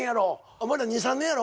お前ら２３年やろ？